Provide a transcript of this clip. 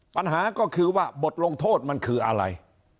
ปัญหาก็คือว่าบทลงโทษมันคืออะไร